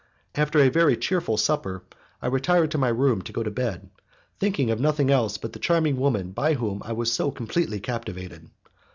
After a very cheerful supper, I retired to my room to go to bed, thinking of nothing else but the charming woman by whom I was so completely captivated.